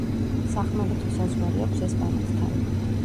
სახმელეთო საზღვარი აქვს ესპანეთთან.